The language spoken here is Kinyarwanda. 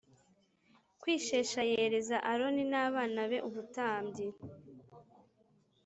kwejesha yereza Aroni n abana be ubutambyi